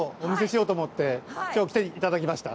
今日来ていただきました。